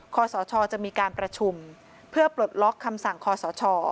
ขอสชจะมีการประชุมเพื่อปลดล็อกคำสั่งคอสช